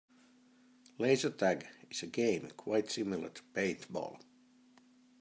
Laser tag is a game quite similar to paintball.